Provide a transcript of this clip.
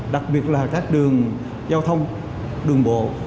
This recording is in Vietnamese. đặc biệt là các đường giao thông đường bộ